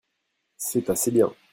c'est assez bien.